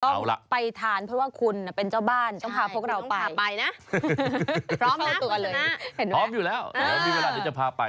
ต้องไปทานเพราะว่าคุณเป็นเจ้าบ้านต้องพาพวกเราไป